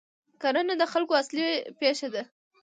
کرنه د خلکو اصلي پیشه ده.